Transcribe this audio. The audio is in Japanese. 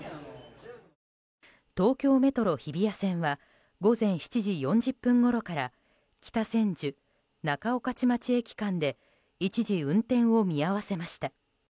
東京メトロ日比谷線は午前７時４０分ごろから北千住仲御徒町駅間で一時、運転を見合わせました。